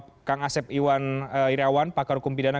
pak ukai iwan irawan pakar hukum bidana